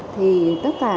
thì tất cả